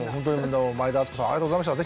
前田敦子さんありがとうございました。